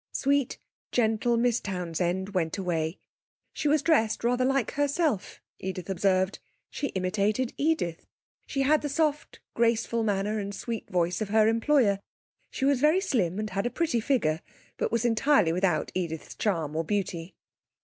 Sweet, gentle Miss Townsend went away. She was dressed rather like herself, Edith observed; she imitated Edith. She had the soft, graceful manner and sweet voice of her employer. She was slim and had a pretty figure, but was entirely without Edith's charm or beauty.